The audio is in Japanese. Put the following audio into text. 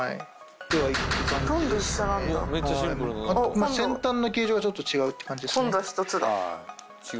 まあ先端の形状がちょっと違うって感じですね。